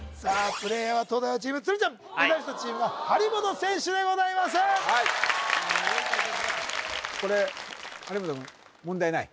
プレイヤーは東大王チーム鶴ちゃんメダリストチームは張本選手でございます通る？